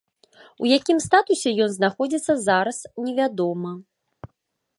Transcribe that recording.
У якім статусе ён знаходзіцца зараз, невядома.